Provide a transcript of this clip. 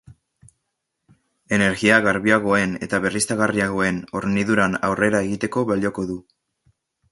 Energia garbiagoen eta berriztagarriagoen horniduran aurrera egiteko balioko du.